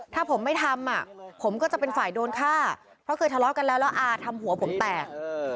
ถ้าผมไม่ทำผมก็จะเป็นฝ่ายโดนฆ่าเพราะเคยทะเลาะกันแล้วแล้วอาทำหัวผมแตก